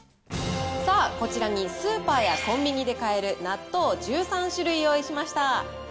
さあ、こちらにスーパーやコンビニで買える納豆１３種類用意しました。